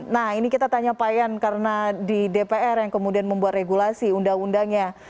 nah ini kita tanya pak yan karena di dpr yang kemudian membuat regulasi undang undangnya